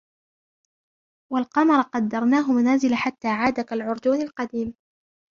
وَالْقَمَرَ قَدَّرْنَاهُ مَنَازِلَ حَتَّى عَادَ كَالْعُرْجُونِ الْقَدِيمِ